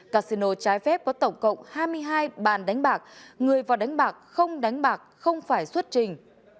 casino trái phép có tổng cộng hai mươi hai bàn đánh bạc người vào đánh bạc không đánh bạc không phải xuất trình